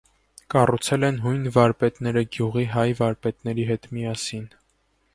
Կառուցել են հույն վարպետները գյուղի հայ վարպետների հետ միասին։